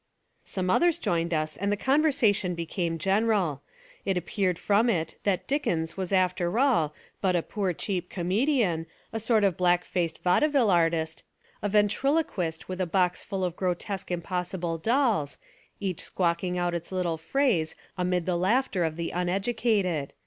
Some others joined us and the conversation became general. It appeared from it that Dick ens was after all but a poor cheap comedian, a sort of black faced vaudeville artist, a ven triloquist with a box full of grotesque impos sible dolls, each squawking out its little phrase amid the laughter of the uneducated.